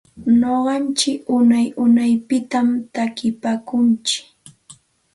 Nuqantsik unay unayllatam takinpaakuntsik.